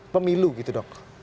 pemilu gitu dok